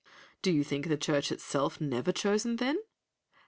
"'Do you think the Church itself never chosen, then?